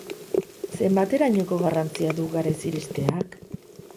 Zenbaterainoko garrantzia du garaiz iristeak?